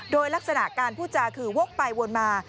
โดยลักษณะการพูดจาคือวกไปวนมา